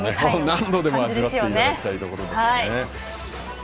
何度でも味わっていただきたいですね。